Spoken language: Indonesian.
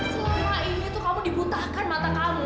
selama ini kamu dibutahkan mata kamu